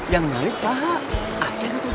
yang nyalip si apa aceng atau batang